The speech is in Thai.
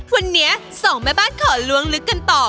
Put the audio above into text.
วันนี้สองแม่บ้านขอล้วงลึกกันต่อ